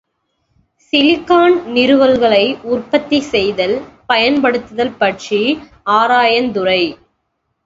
Silicon நறுவல்களை உற்பத்தி செய்தல், பயன்படுத்தல் பற்றி ஆராயுந்துறை.